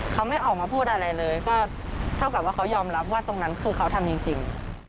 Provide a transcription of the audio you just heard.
เขาไม่ออกมาพูดอะไรเลยก็เท่ากับว่าเขายอมรับว่าตรงนั้นคือเขาทำจริง